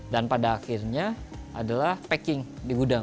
dan pada akhirnya adalah packing di gudang